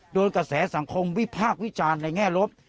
โดยกระแสสังคมวิพากษ์วิจารณ์ในแง่ลบ